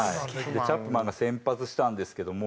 チャップマンが先発したんですけども。